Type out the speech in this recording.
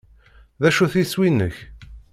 D acu-t yiswi-nnek?